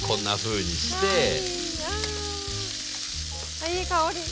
あっいい香り！